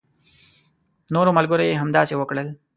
نورو ملګرو يې هم همداسې وکړل.